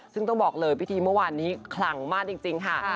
ซึ่งต้องบอกเลยพิธีเมื่อวานนี้คลังมากจริงค่ะ